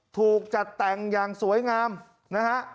ถูกจัดแต่งอย่างสวยงามนะฮะ